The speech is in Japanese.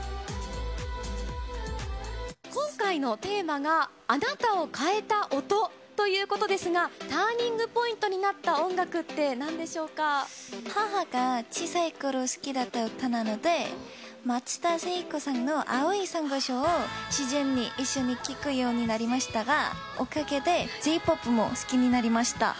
今回のテーマがあなたを変えた音ということですが、ターニングポイントになった音楽母が小さいころ好きだった歌なので、松田聖子さんの青いサンゴ礁を自然に一緒に聴くようになりましたが、おかげでＪーＰＯＰも好きになりました。